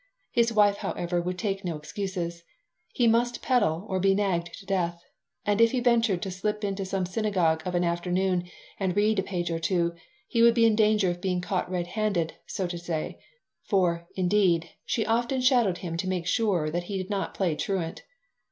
His wife, however, would take no excuse. He must peddle or be nagged to death. And if he ventured to slip into some synagogue of an afternoon and read a page or two he would be in danger of being caught red handed, so to say, for, indeed, she often shadowed him to make sure that he did not play truant.